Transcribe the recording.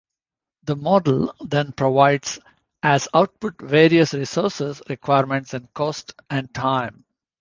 The model then provides as output various resources requirements in cost and time.